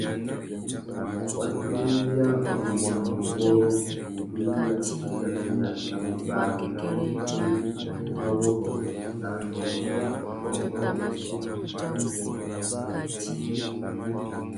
Wa tirimiya wuwanduwôrrô, wubindiya, wutsakeya na wubari râ mukú mà wurrôndô nà adôngô nà wuchiô wa wussi wa MUTU.